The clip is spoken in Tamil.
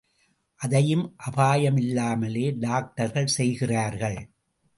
அதையும் அபாயமில்லாமலே டாக்டர்கள் செய்கிறார்கள்.